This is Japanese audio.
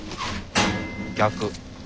逆。